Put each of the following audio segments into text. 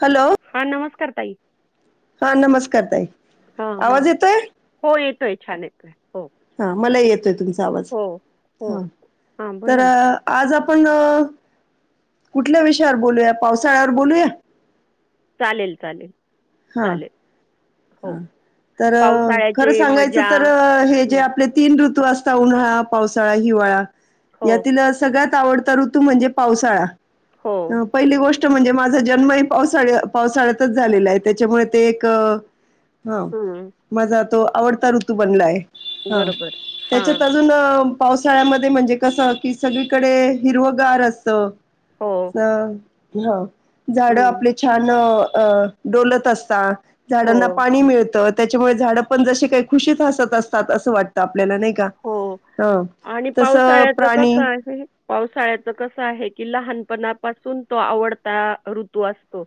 Hello. कार ताई हा नमस्कार ताई हा हा आवाज येतोय होय ये तोय छान येतोय हो हा मला येतोय तुमचं चा आवाज हो, हो. हा हां, तर बोला ना. आज आपण आपण कुठल्या विषयावर बोलूया पावसाळ्यावर बोलूया? चालेल चालेल हा चालेल. हो. तर खरं पावसाळ्याची सांगायच मजा. तर हे जे हं. आपले तीन ऋतू तु असता उन्हाळा पावसाळा हिवाळा हो, यातील सगळ्यात आवडता ऋतू म्हणजे पावसाळा हो. अ पहिली गोष्ट ष्ट म्हणजे माझा जन्म पावसाळ्या पावसाळ्यातच झालेला आहे त्याच्यामुळे ते एक हा हं. माझा तो आवडता ऋतू बनलायं हा बरोबर. हां. त्याच्यात अजून पावसाळ्यामध्ये म्हणजे कसं की सगळीकडे हिरवगार असतं हो. हा. हा. झाडं हं. आपले छान अहं. डोलत असतात. हो, झाडांना पाणी मिळतत. त्याच्यामुळे झाडं पण जशी काही खुशीत हसत असतात असं वाटतं आपल्याला नाही का हो. हं तस प्राणी. पावसाळ्याच कसं आहे की, लहानपणापासून तो आवडता ऋतू असतो.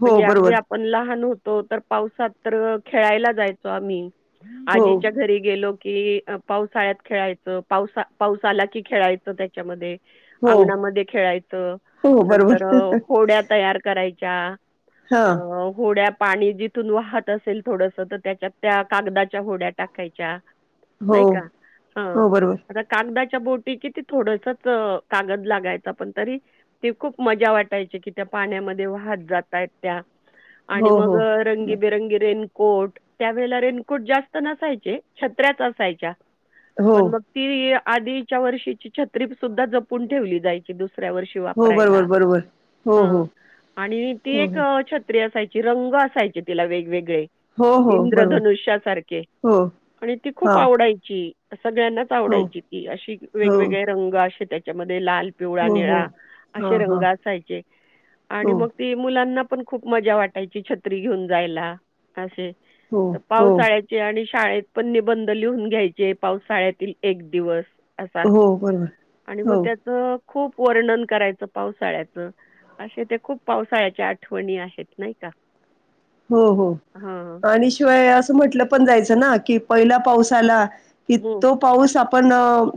हो म्हणजे अगदी बरोबर आपण लहान होत तो तर पावसात तर खेळायला जायचो आम्ही. हो आजीच्या घरी गेलो. की आप. पावसाळ्यात खेळायचं. पाऊस पाऊस आला की खेळायचं त्याच्यामध्ये. हो अंगणामध्ये खेळायचं हो नंतर बरोबर होड्या तयार कराय चहा? हा अ होड्या पाणी जिथून वाहत असेल थोडस, तर त्याच्यात त्या कागदाच्या होड्या टाकायच्या. हो नाही का? हा हो बरोबर आता कागदा च्या बोटी की थोडसचं कागद लागायच, पण तरी ते खूप मजा वाटायची की, त्या पाण्यामध्ये वाहत जाताय त्या. हो आणि मग हो रंगी बी रंगी रेन. कोट त्यावेेळेला रेनकोट जास्त नसायचे, छत्र्याच असाय च्या? हो पण मग ती आधीच्या वर्षीची छत्री सुद्धा जपून ठेवली जायची दुस दुसऱ्या वर्षी हो बरोबर वापरायला. बरोबर हो ह हो आणि ती हो एक हो छत्री असाय रंग असायचे तिला वेगवेगळे. हो हो बरोबर इंद्रधनुष्यासारखे हो आणि ती हा खूप आवडायची. ही सगळ्यांनाच हो, आवडायची ती अशी हो, वेगवेगळे रंग असे त्या ते लाल, पिवळा, हो, हो. निळा असे हां, रंग हां. असायचे हो, आणि मग मुलांना पण खूप मजा वाटायची छत्री घेऊन जायला अहं असे. हो, तर हो, पावसाळ्याचे आणि शाळेत पण निबंध लिहून घ्याय जे पावसाळ्यातील एक दिवस. असा हो, बरोबर. आणि मग हो, त्याच... खूप वर्णन करायचं पावसाळ्याच असे ते खूप पावसाळ्याच्या आठवणी आहेत नाही का. हो हो हां. आणि शिवाय असं म्हंटलं पण जायचं ना... कि पहिला पाऊस आला. की हं, तो पाऊस आप... पण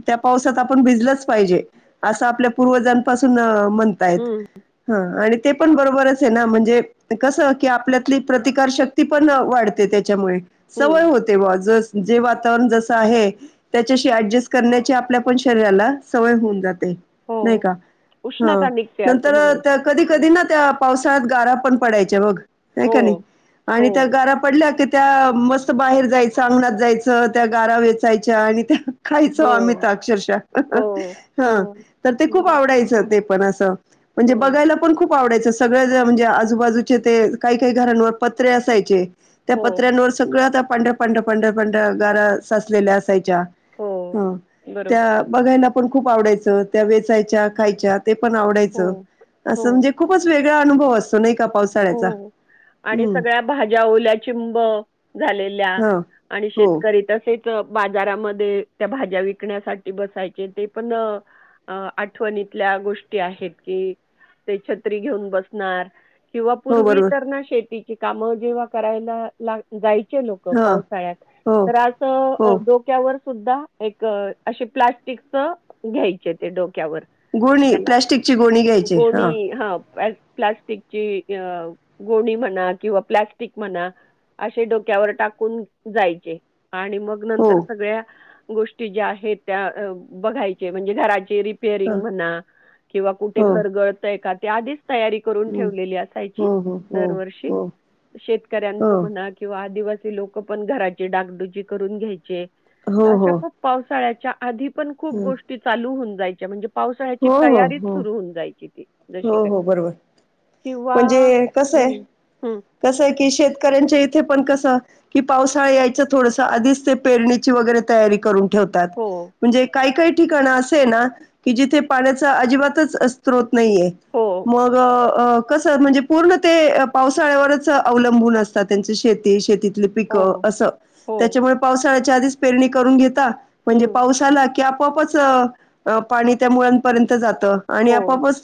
त्या पावसात आपण भिजलंच पाहिजे असं आपल्या पूर्वजांपासून.... म्हणताय हं, ह.. ते पण बरोबरच आहे ना म्हणजे कस की आपल्या. - आपली प्रतिकारशक्ती पण वाढते त्याच्यामुळे. सवय हं. होते बा जस... जे वातावरण जस आहे त्याच्याशी ऍडजस्ट करण्याची आपल्या पण शरीराला सवय होऊन जाते. नाही हो. का ह उष्णता निघते असं नंतर कधी म्हणायचं. कधी ना त्या- पावसाळात गारा पण पडायचा बघ. ह हो का नाही हो आणि त्या गारा पडल्या कि- त्या मस्त बाहेर जायचं अंगणात जायचं त्या गारा वेचायच्या आणि त्या - खायचो हो आम्ही तर अक्षरशः हो हा हो तर ते खूप बरोबर आवडायचं ते पणस म्हणजे हो बघायला पण खूप आवडायच. सगळ ज म्हणजे आजूबाजूचे ते. काही काही घरांवर पत्रे असायचे. त्या हो पत्र्यांवर सगळ त्या. पंढर पंढ पंढर पंढ गारा सासलेले असायचे. ज्या हो हम्म बरोबर त्या बघायला - पण खूप आवडायचं त्या वेचायच्या खायच्या. ते पण हो आवडायचं हो असं म्हणजे खूपच वेग अनुभव असो नाही. का पावसाळ्याचा. हो आणि हं. सगळ्या भाज्या ओल्या चिंब झालेल्या हं. आणि हो. शेतकरी तस तेच बाजारामध्ये त्या भाज्या विकण्यासाठी बसायचे ते पण आठवणीतल्या गोष्टी आहेत कि ते छत्री घेऊन बसणार. किंवा हो पूर्वी बरोबर. तर ना शेती- काम जेव्हा करायला ला जाय लोक हं. पावसाळ्यात हो. तर अस हो. डोक्यावर सुद्धा एक असे प्लास्टिक च घ्यायचे ते डो गुळणी प्लॅस्टिकची गुळणी घ्यायची हा. प्लास्टिक. [unintelligible] गोणी म्हणा किंवा प्लास्टिक म्हणा असे डोक्यावर टाकून जायचे. आणि मग हो. नंतर सगळ्या गोष्टी ज्या आहेत त्या अ बघायचे म्हणजे घरा चे रिपेरिंग हं. म्हणा किंवा कुठे हो. घर घर एखा ते आधीच तयारी करून हं. ठेवलेली असायची हो, हो, हो, दरवर्षी हो. शेतकऱ्यांचं हो. म्हणा किंवा आदिवा सी लोकं पण घराची डागडुजी करून घ्यायचे. हो, तर अशा हो. खूप पावसाळ्या च्या आधी पण खूप हं. गोष्टी चालू हून जायच्या म्हणजे पावसाळ्याची हो, हो, तयारीच हो. सुरु होऊन जायची ती. जशी हो काही हो बरोबर. किंवा म्हणजे कसंय हं, हं. कसंय की शेतकऱ्यांच्या इथे पण क सं की पावसाळा यायच्या थोडसं आधीच ते पेरणीची वगैरे तयारी करून ठेवतात हो, म्हणजे काही काही ठिकाण असं आहे ना, की जिथे पाण्याचा अजिबातच स्रोत नाहीे हाय हो, मग. अ कसं म्हणजे पूर्ण ते पावसाळ्यावरच अवलंबून असतात त्यांची शेती-शेती तितली पिक हो, अस हो. त्याच्यामुळे पावसाळ्यात. पावसाच्या आधीच पेरणी करून घेता. म्हणजे हं. पाऊस आला की आप आपोआपच पाणी त्या मुळांपर्यंत जात. आणि हो, आपोआपच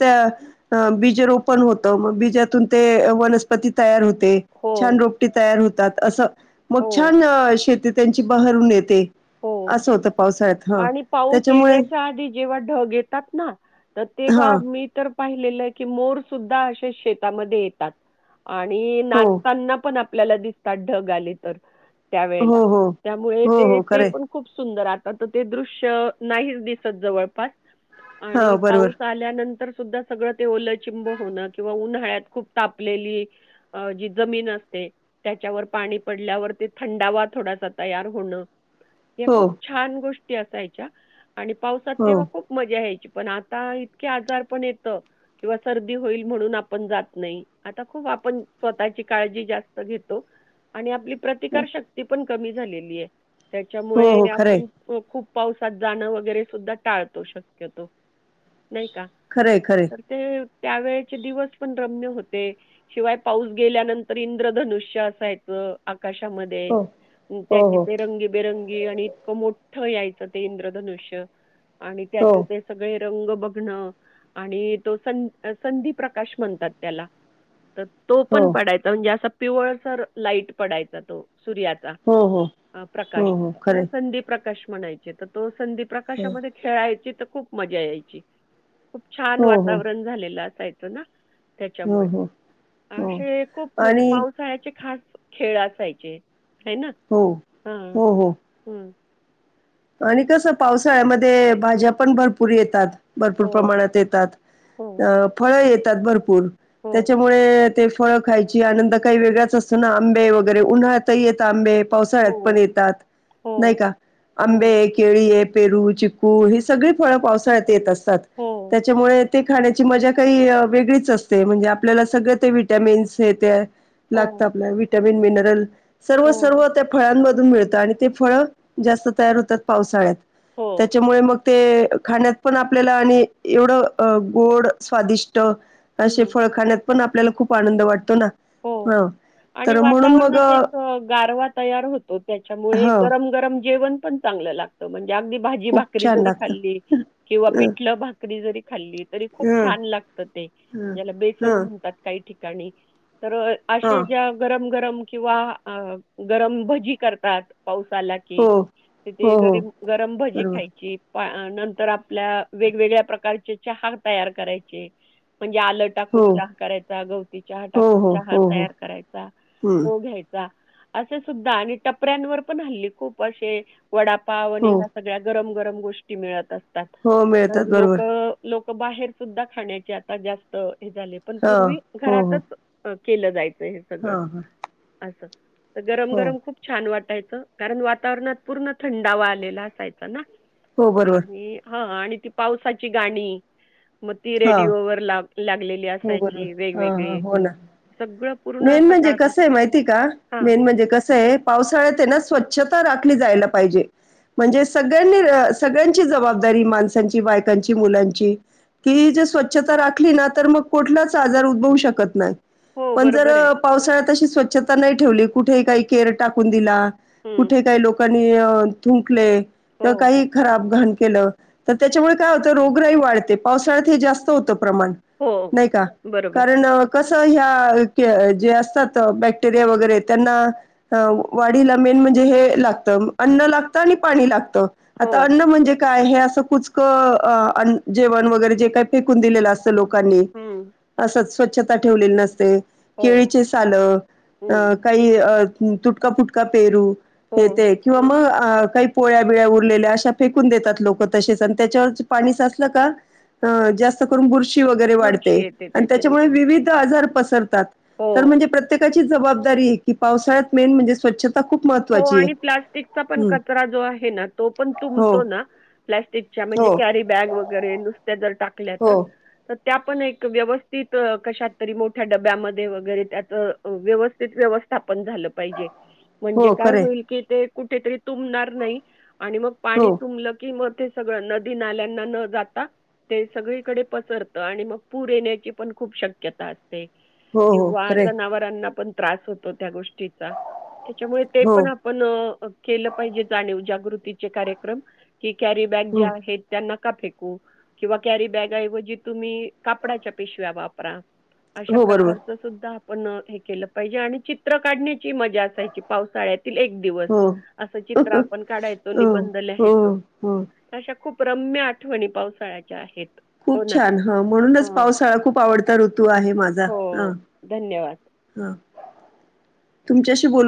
बीज रोपण होत मग बिजातून ते वनस्पती तयार होत. हो, छान रोपटी तयार होते. त्यात असं. मग हो, छान शेतीत त्यांची बहरून येते. हो. असं होतं पावसाळ्यात हा आणि पाऊस त्याच्यामुळे. येण्याच्या आधी जेव्हा ढग येतात ना. हा तेव्हा मी तर. पाहिलेलं की मोर सुद्धा अशे शेताध्ये येतात. आणि हो नाचताना पण आप आपल्याला दिसतात ढग आले तर. हो त्यावेळेला. हो त्यामुळे हो ते हो ते खरे हाय. पण खूप सुंदर आता तर ते दृश्य नाहीच, दिसत जवळपास. हा आणि बरोबर पाऊस आल्यानंतर सुद्धा सगळं ते ओल चिंब होणं किंवा उन्हाळ्यात खुप तापलेली अ जी जमीन असते. त्याच्यावर पाणी पल्यावर ते थंडावा थोडासा तो तयार होणं. या हो खूप छान गोष्टी ते असायच्या. आणि पावसात हो तेव्हा खूप मजा यायची. पण आता इतके आजार पण येत किंवा सर्दी होईल म्हणून आपण जात नाही. आता खूप आपण स्वतःची काळजी जास्त घेतो आणि आपली प्रतिकार शक्ती पण. कमी झालेली आहे. त्या हो त्याच्यामुळे हो नि खरंय आपण खूप. पावसात जाणं वगैरे सुद्धा टाळतो शक्यतो. नाही का? खरंय खरंय तर ते. त्यावेळेचे दिवस पण रम्य होते. शिवाय पाऊस गेल्यानंतर इंद्रधनुष्य असायच. आक... आकाशामध्ये हो हो त्याचे हो ते रंगी रंगी आणि इतकं मोठं यायचं ते इंद्रधनुष्य. आणि हो त्याचं ते सगळे रंग बघणं आणि तो संध संधी प्रकाश म्हणतात त्याला. तो हो पण पडायचा म्हणजे असा पिवळसर लाईट पडायचा तो. सुर्याचा. हो हो अ.. प्रकाश. हो हो त्याला खरंय संधी प्र.. प्रकाश म्हणायचे. त तो संधी हो प्रकाशामध्ये खेळायचीत. तर खूप मजा यायची. खूप छान हो हो वातावरण झालेलं असायचं. च ना! हो त्याच्यामुळे हो हो असे खूप म्हणजे आणि पावसाळ्याचे खास. खेळ असायचे. हे ना. हो हां हो हो हम्. ह. आणि कस पावसाळ्यामध्ये भाज्या पण भरपूर येतात. भरपूर हो, प्रमाणात येतात, हो, अ फळ येत. येतात भरपूर हो, त्याच्यामुळे ते फळं खायची, आनंद काही वेगळाच असतो ना, आंबे वगैरे उन्हाळत ही येतात आंबे. पावसाळ्यात पण हो, येतात नाही हो, का. आंबे, हो, केळी आहे, पेरू, चिकू, ही सगळी फळं पावसाळ्यात येत असत. असतात हो, त्याच्यामुळे. ते खाण्याची मजा काही वेगळीच असते, म्हणजे आपल्याला सगळं ते वि्हटॅमिन्स येते ते. लागत हो, आपल्याला विटामिन. वीण मिनरल. सर्व-सर्व हो, त्या फळांमध्ये. मिळत आणि ते फळ जास्त. तयार होतात पावसाळ्यात. हो. त्याच्यामुळे मग. ते खाण्यात पण आपल्याला आणि एवढं गोड स्वादिष्ट. स्वादिष्ट असे हं. फळ खान्यात पण. आपल्याला खूप आनंद वाटतो ना. हो हा आणि तर म्हणून मग वातावरणात एक गारवा तयार होतो, त्याच्यामुळे ह गरम-गरम जेवण. पण चांगलं लागत. अगदी खूप भाजी-भाकरी छान जरी लागतं. खाल्ली किंवा अ पिठल भाकरी जरी. खाल्ली तरी खप हं छान लागत ते, हं बेसन हं म्हणतात, काही ठिकाणी. ठिकाणी. तर हां अशे ज्या गरम-गरम. किंवा गरम भजी करतात. पाऊस आला हो कि हो तिथे हो गरम-गरम भजी बरोबर खायची. नंतर आपल्या वेगवेगळ्या प्रकारचे चहा तयार करायचे. म्हणजे आलं हो टाकून चहा करायचा गवती चहा हो टाकून. हो चहा हो हो तयार करायचा हं तो घ्यायचा. असे सुद्धा आणि टपऱ्यांवर पण हल्ली खूप असे. वडापाव हो आणि ह्या सगळ्या गरम. गरम गोष्टी मिळत असत. हो असतात. मिळतात लोक, बरोबर लोक. बाहेर सुद्धा खाण्याची आता जास्त झाले पण हां पूर्वी हो हो घरातच केलं जायच हे सगळं हां हां असं तर गरम हो गरम खूप छान वाटत कारण वातावरणात पूर्ण थंडावा आलेला असायचा ना हो बरोबर आणि हा आणि ती पावसाची गाणी मग ती हां रेडिओ वर ला लागलेली असायची वेगवेगळी. सगळं पूर्ण मे म्हणजे कस आहे सकाळपासून माहिती का हां. मेन म्हणजे कस आहे पावसाळ्यात ना स्वच्छ... ली जायला पाहिजे म्हणजे सळ्यांनी सगळ्यांची जबदारी माणसची बायकांची मुलांची... की जर स्वच्छता राखली ना तर मग कोुठलाच आजार उद्भवू शकत नाही. हो, पण जर बरोबर आहे. पावसाळ्यात त.... स्वच्छता नाही ठेवली कुठेही काही केर टाकून दिला... हं. कुठे काही लोकां... आणि तुंकले. त हो. काही खराब घाण... के तर त्याच्यामुळे काय होत रोग राही वाढते. पावसाळ्यात हे जास्त होतं. प्रमाण हो. नाही का बरोबर. कारण... कस ह्या जे असतात बॅक्टेरिया वगैरे त्यांना वाढीला मेन म्हणजे हे लागतं अन्न लागतं आणि पाणी लागतं... हो. आता अन्न म्हणजे... काय अस कुचक जेवण व... जे काही पिकून दिले अस.... लोकांनी हं. असंच.... स्वच्छता ठेवलेली नसते. हो. केळीचे साल अ हं. काही अ... ह तुटका फुटका पेरु हो. येत किंवा मग... अ काही पोळ्या बिळ्या उरलेल्या अशा फेकून देतात लोकं तसेच आणि त्याच्यावर पाणी साचलं का.... जास्त करून बुरशी... बुरशी वगैरे बुरशी वाढते येते आणि त्याच्याने त्याच्यामुळे पण. विविध आजार पसरतात... असतात तर हो. मग प्रत्येकाचे जबाबदारी आहे की पावसाळत मेन म्हणजे स्वच्छ. हो आणि प्लास्टिकचा पण कचरा जो आहे ना तो पण हो तुबतो ना प्लास्टिकच्या हो म्हणजे कॅरी बॅग वगैरे नुस्या जर टा हो [unintelligible] त्या पण एक व्यवस्थित कशात तरी मोठ्या डब्यामध्ये वगैरे त्याच व्यवस्थित व्यवस्थापन झालं पाहिजे. म्हणजे. हो काय खरे होईल की ते... कुठेतरी तुबणार नाही. आणि मग हो पाणी तुमलं की म. ते सगळं नदी नाल्यांना न जाता ते सगळीकडे पसरतं आणि मग पूर येण्याची पण खूप शक्यता असते. हो हो किंवा खरे जनावरांना पण... त होत त्या गोष्टी त्याच्या हो पण आपण केलं पाहिजे जाणीव ज ृतीचे कार्यक्रम की कॅरी बॅग हो ज्या आहेत त्यांना फेकू किंवा करी बॅग आहेव जी तुम्ही कापडाच्या पिशव्या वापरा अशा हो बरोबर प्रकारच सुद्धा पण हे केलं पाहिजे आणि चित्र काढण्याची मजा असायची पावसाळ्यात हो दि चित्र आप काढा हो, निधच हो, हो. ख रम्य आठवणी पावसाळ्याच्या आहेत हो खूप ना. छान हा म्हणूनच हं. पावसाळा खूप आवडता ऋतू आहे माझा हा हो. धन्यवाद. हा तुमच्याशी बोल